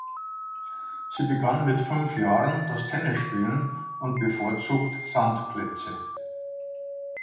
Sie begann mit fünf Jahren das Tennisspielen und bevorzugt Sandplätze.